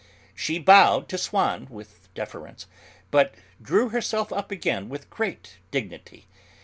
She bowed to Swann with deference, but drew herself up again with great dignity.